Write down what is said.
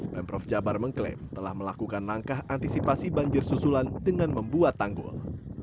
pemprov jabar mengklaim telah melakukan langkah antisipasi banjir susulan dengan membuat tanggul